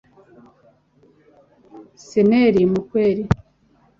Sanele Mkhweli